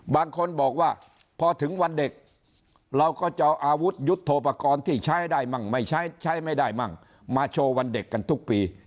บางคนบอกว่าพอถึงวันเด็กเราก็จะเอาอาวุธยุทธโปรกรณ์ที่ใช้ได้มั่งไม่ใช้ใช้ไม่ได้มั่งมาโชว์วันเด็กกันทุกปี